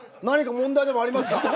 何か問題でもありますか！？